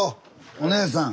お姉さん！